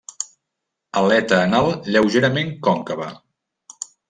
Aleta anal lleugerament còncava.